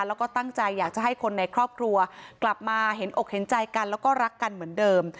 แล้วก็ตั้งใจอยากจะให้คนในครอบครัวกลับมาเห็นอกเห็นใจกันแล้วก็รักกันเหมือนเดิม